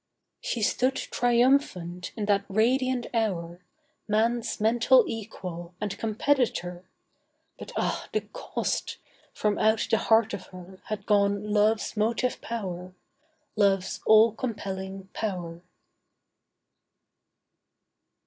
She stood triumphant in that radiant hour, Man's mental equal, and competitor. But ah! the cost! from out the heart of her Had gone love's motive power— Love's all compelling power.